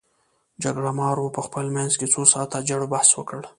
جرګمارو په خپل منځ کې څو ساعاته جړ بحث وکړ.